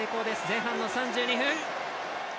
前半の３２分。